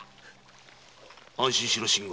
安心しろ信吾